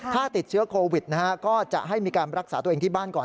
ถ้าติดเชื้อโควิดนะฮะก็จะให้มีการรักษาตัวเองที่บ้านก่อน